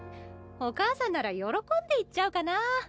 お母さんなら喜んで行っちゃうかなあ。